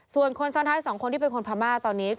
ส่วนคนซ้อนท้าย๒คนที่เป็นคนพม่าตอนนี้